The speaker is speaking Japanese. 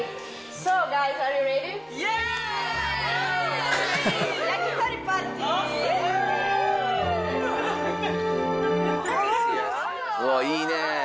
うわいいね。